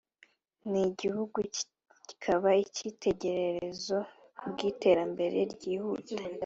n’igihugu kikaba icyitegererezo kubw’iterambere ryihuta